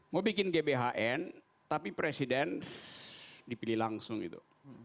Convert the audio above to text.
mau bikin gbhn tapi presiden dipilih langsung itu